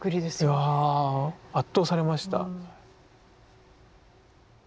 いや圧倒されました。